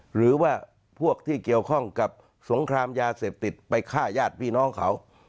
หรือว่าพวกที่เกี่ยวข้องกับสงครามยาเสพติดไปฆ่าญาติพี่น้องเขา